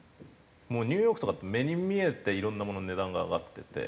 もうニューヨークとかって目に見えていろんなものの値段が上がってて。